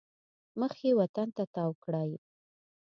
مخ یې وطن ته تاو کړی.